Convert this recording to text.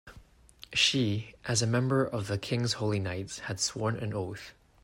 She, as a member of the king's holy knights, had sworn an oath.